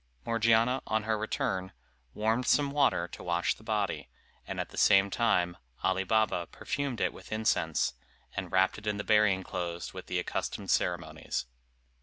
Morgiana, on her return, warmed some water to wash the body, and at the same time Ali Baba perfumed it with incense, and wrapped it in the burying clothes with the accustomed ceremonies.